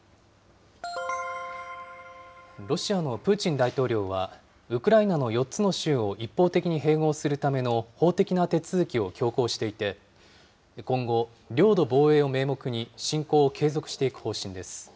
ロシアのプーチン大統領は、ウクライナの４つの州を一方的に併合するための法的な手続きを強行していて、今後、領土防衛を名目に、侵攻を継続していく方針です。